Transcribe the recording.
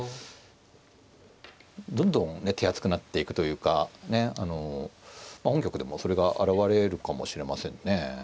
どんどん手厚くなっていくというかねあのまあ本局でもそれが表れるかもしれませんね。